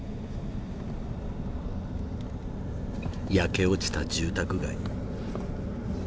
焼け落ちた住宅街。